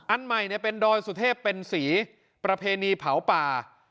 อันใหม่เป็นดอยสุเทพเป็นสีประเพณีเผาป่า